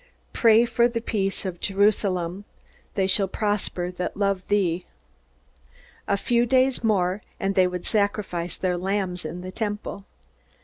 Pray for the peace of Jerusalem: They shall prosper that love thee.'" A few days more, and they would sacrifice their lambs in the Temple.